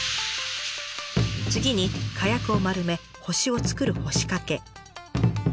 次に火薬を丸め星を作る「星掛け」。